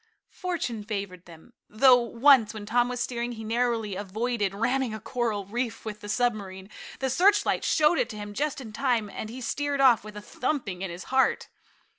Fortune favored them, though once, when Tom was steering, he narrowly avoided ramming a coral reef with the submarine. The searchlight showed it to him just in time, and he sheered off with a thumping in his heart.